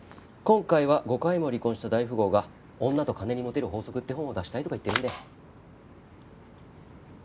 今回は５回も離婚した大富豪が『女と金にモテる法則』って本を出したいとか言ってるんで。